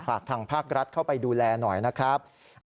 ทางภาครัฐเข้าไปดูแลหน่อยนะครับ